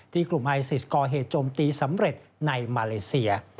กลุ่มไอซิสก่อเหตุโจมตีสำเร็จในมาเลเซีย